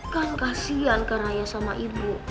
kan kasihan karna ayah sama ibu